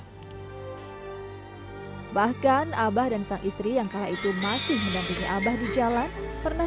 bahkan abah dan sang istri yang kala itu masih mendampingi abah di jalan pernah